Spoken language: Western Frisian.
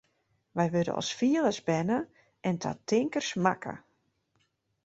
Wy wurde as fielers berne en ta tinkers makke.